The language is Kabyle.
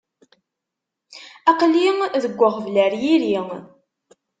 Aql-i deg uɣbel ar yiri.